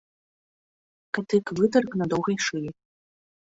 Кадык вытырк на доўгай шыі.